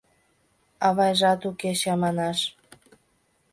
Авайжат уке чаманаш.